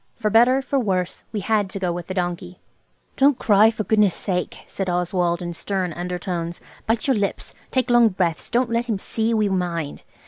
For better, for worse, we had to go with the donkey. "Don't cry, for goodness' sake!" said Oswald in stern undertones. "Bite your lips. Take long breaths. Don't let him see we mind.